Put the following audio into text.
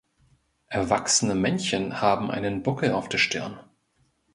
Erwachsene Männchen haben einen Buckel auf der Stirn.